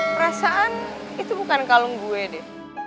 perasaan itu bukan kalung gue deh